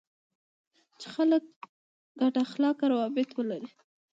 چې خلک ګډ اخلاقي روابط ولري.